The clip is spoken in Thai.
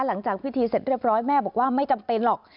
หลังจากพิธีเสร็จเรียบร้อยแม่บอกว่าไม่จำเป็นหรอก